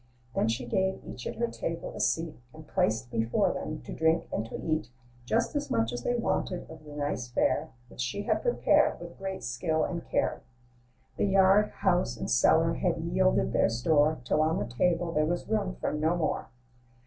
Then she gave each at her table a seat, And placed before them, to drink and to eat, Just as much as they wanted of the nice fare * Which she had prepared with great skill and care. The yard, house, and cellar had yielded their store, Till on the table there was room for no more.